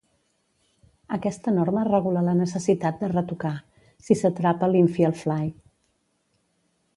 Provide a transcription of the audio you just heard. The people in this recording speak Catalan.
Aquesta norma regula la necessitat de retocar, si s'atrapa l'"Infield fly".